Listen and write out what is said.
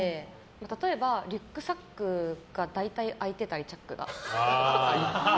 例えば、リュックサックが大体開いてたり、チャックが。